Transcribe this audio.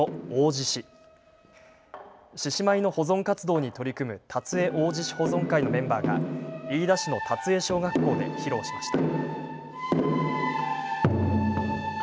獅子舞の保存活動に取り組む龍江大獅子保存会のメンバーが飯田市の龍江小学校で披露しました。